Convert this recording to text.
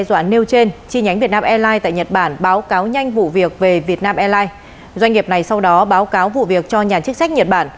doanh nghiệp này sau đó báo cáo vụ việc cho nhà chức sách nhật bản